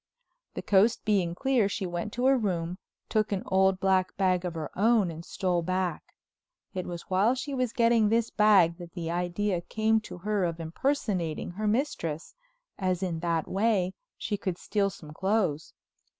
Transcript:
The coast being clear, she went to her room, took an old black bag of her own and stole back. It was while she was getting this bag that the idea came to her of impersonating her mistress, as in that way she could steal some clothes.